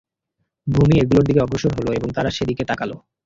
ভূমি এগুলোর দিকে অগ্রসর হল এবং তারা সে দিকে তাকাল।